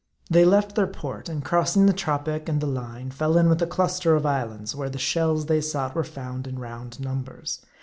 They left their port ; and crossing the Tropic and the Line, fell in with a cluster of islands, where the shells they sought were found in round numbers.